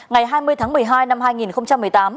ngày hai mươi tháng một mươi hai năm hai nghìn một mươi tám